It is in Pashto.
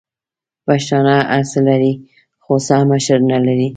پښتانه هرڅه لري خو سم مشر نلري!